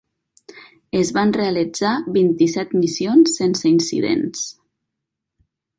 Es van realitzar vint-i-set missions sense incidents.